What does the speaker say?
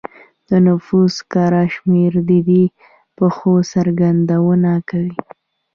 د نفوس کره شمېر د دې پېښو څرګندونه کوي